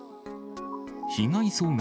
被害総額